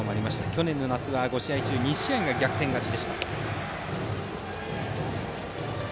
去年夏は５試合中２試合で逆転勝ち。